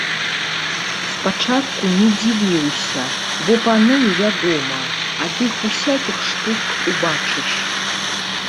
Спачатку не дзівіўся, бо паны, вядома, ад іх усякіх штук убачыш.